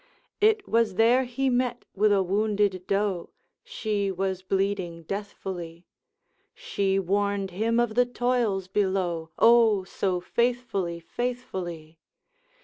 'It was there he met with a wounded doe, She was bleeding deathfully; She warned him of the toils below, O. so faithfully, faithfully!